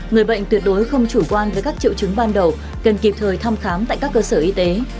người bệnh tuyệt đối không chủ quan với các triệu chứng ban đầu cần kịp thời thăm khám tại các cơ sở y tế